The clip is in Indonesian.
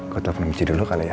gue telepon ke cuci dulu kali ya